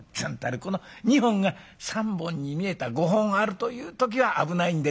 この２本が３本に見えた５本あるという時は危ないんで。